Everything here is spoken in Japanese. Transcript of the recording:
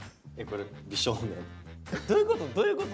どういうこと？